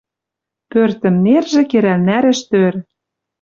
Пӧртӹм нержӹ керӓл нӓрӹш тӧр.